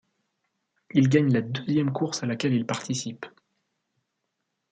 Il gagne la deuxième course à laquelle il participe.